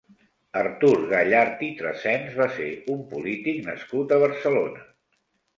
Artur Gallard i Tresens va ser un polític nascut a Barcelona.